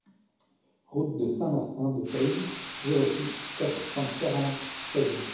Route de Saint-Martin de Peille, zéro six, quatre cent quarante Peille